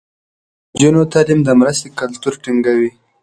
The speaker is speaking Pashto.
د نجونو تعليم د مرستې کلتور ټينګوي.